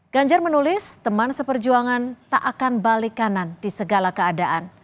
ganjar menulis teman seperjuangan tak akan balik kanan di segala keadaan